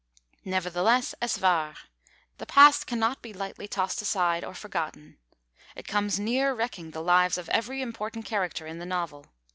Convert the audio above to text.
Nevertheless es war; the Past cannot be lightly tossed aside or forgotten. It comes near wrecking the lives of every important character in the novel.